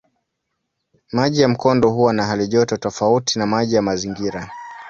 Maji ya mkondo huwa na halijoto tofauti na maji ya mazingira.